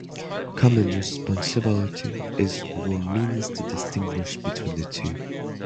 Command responsibility is one means to distinguish between the two.